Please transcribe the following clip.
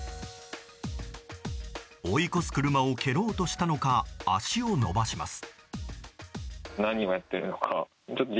追い越す車を蹴ろうとしたのか足を延ばします。